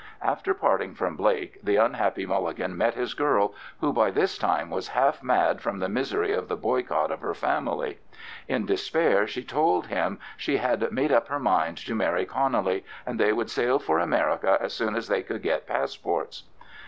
After parting from Blake the unhappy Mulligan met his girl, who by this time was half mad from the misery of the boycott of her family. In despair she told him she had made up her mind to marry Connelly, and they would sail for America as soon as they could get passports.